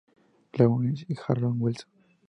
Lawrence y Harold Wilson.